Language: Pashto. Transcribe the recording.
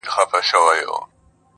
• د جنګ منځ ته به ور ګډ لکه زمری سو -